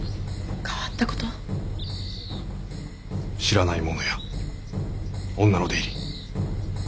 知らない者や女の出入り。